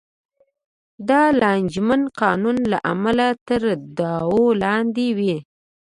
د لانجمن قانون له امله تر دعوو لاندې وې.